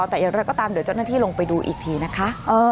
แต่อย่างไรก็ตามเดี๋ยวเจ้าหน้าที่ลงไปดูอีกทีนะคะ